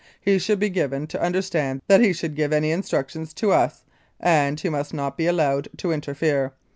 He should be given to understand that he should give any instructions to us, and he must not be allowed to interfere.